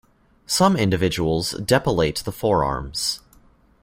Some individuals depilate the forearms.